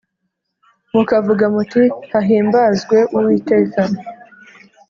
mukavuga muti hahimbazwe Uwiteka